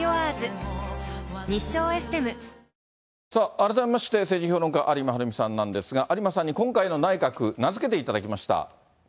改めまして、政治評論家、有馬晴海さんなんですが、有馬さんに今回の内閣、名付けていただきました。